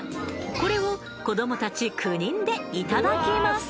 これを子どもたち９人でいただきます。